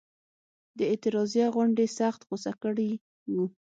د اعتراضیه غونډې سخت غوسه کړي وو.